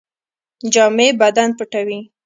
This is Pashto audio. جامې بدن پټوي